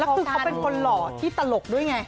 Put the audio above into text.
คือเขาเป็นคนหล่อที่ตลกด้วยไง